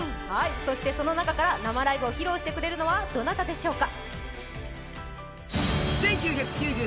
そしてその中から生ライブを披露してくれるのはどなたでしょうか。